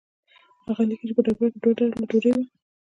هغه لیکي چې په دربار کې دوه ډوله ډوډۍ وه.